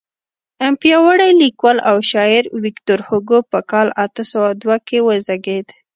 پیاوړی لیکوال او شاعر ویکتور هوګو په کال اته سوه دوه کې وزیږېد.